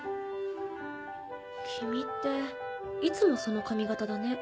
君っていつもその髪形だね。